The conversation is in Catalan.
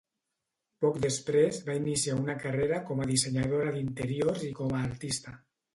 Poc després, va iniciar una carrera com a dissenyadora d'interiors i com a artista.